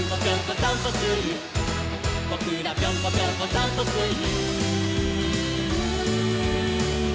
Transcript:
「ぼくらぴょんこぴょんこさんぽする」